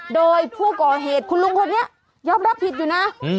โดยผู้ก่อเหตุคุณลุงคนนี้ยอมรับผิดอยู่นะ